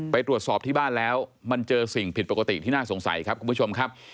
ไปตรวจสอบที่บ้านแล้วมันเจอสิ่งผิดปกติที่น่าสงสัยครับคุณผู้ชมครับ